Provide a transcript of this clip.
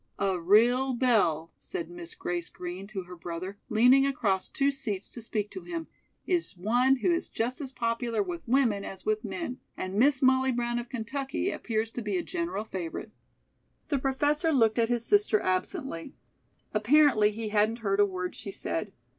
"A real belle," said Miss Grace Green to her brother, leaning across two seats to speak to him, "is one who is just as popular with women as with men, and Miss Molly Brown of Kentucky appears to be a general favorite." The Professor looked at his sister absently. Apparently, he hadn't heard a word she said.